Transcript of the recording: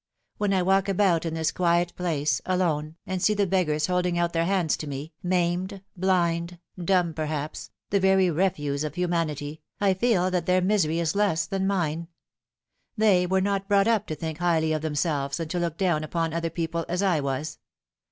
When I walk about in this quiet place, alone, and see the beggars holding out their hands to me, maimed, blind, dumb perhaps, the very refuse of humanity, I feel that their misery is less than mine. They were not brought up to think highly of themselves, and to look down upon other people, as I was.